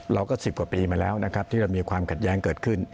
๑๐กว่าปีมาแล้วนะครับที่เรามีความขัดแย้งเกิดขึ้น